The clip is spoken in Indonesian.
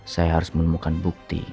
saya harus menemukan bukti